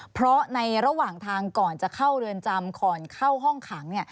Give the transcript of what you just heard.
เพราะในระหว่างทางก่อนจะเข้าเรือนจำก่อนเข้าห้องขัง